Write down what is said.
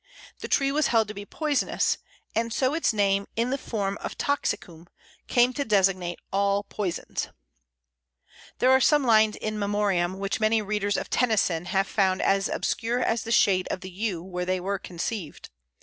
The tree was held to be poisonous, and so its name in the form of toxicum came to designate all poisons. [Illustration: Pl. 74. Bole of Yew.] There are some lines in In Memoriam which many readers of Tennyson have found as obscure as the shade of the Yew where they were conceived.